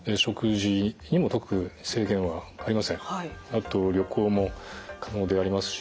あと旅行も可能でありますし。